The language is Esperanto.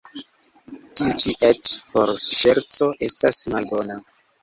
Tiu ĉi eĉ por ŝerco estas malbona.